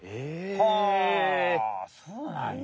はあそうなんや！